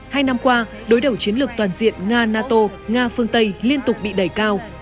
hai năm qua đối đầu chiến lược toàn diện nga nato nga phương tây liên tục bị đẩy cao